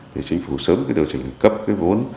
thì chính phủ sớm điều chỉnh cấp cái vốn